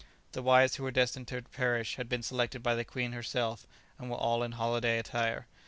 The wives who were destined to perish had been selected by the queen herself and were all in holiday attire.